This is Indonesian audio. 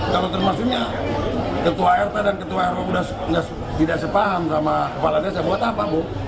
kalau termasuknya ketua rt dan ketua rw sudah tidak sepaham sama kepala desa buat apa bu